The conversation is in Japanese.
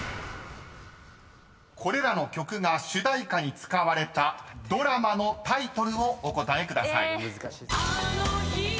［これらの曲が主題歌に使われたドラマのタイトルをお答えください］